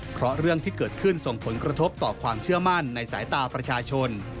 เพราะเรื่องที่เกิดขึ้นส่งผลกระทบต่อความเชื่อมั่นในสายตาประชาชน